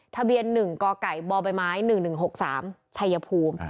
ทะเบียน๑กกบไม้๑๑๖๓ชัยภูมิ